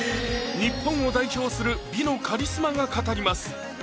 日本を代表する美のカリスマが語ります